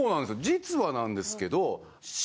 実はなんですけど。